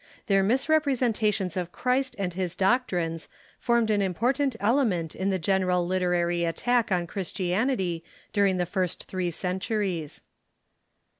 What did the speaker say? Their mis representations of Christ and his doctrines formed an impor tant element in the general literary attack on Christianity during the first three centuries.